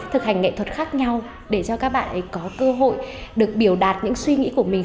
thực hành nghệ thuật khác nhau để cho các bạn ấy có cơ hội được biểu đạt những suy nghĩ của mình